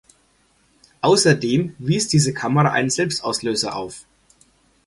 Außerdem wies diese Kamera einen Selbstauslöser auf.